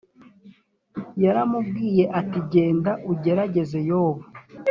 yaramubwiye ati genda ugerageze Yobu